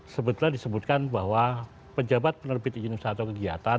sebetulnya disebutkan bahwa penjabat penerbit izin perusahaan atau kegiatan